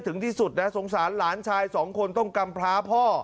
ถึงที่สุดนะสงสารหลานชายสองคนต้องกำพลาพ่อ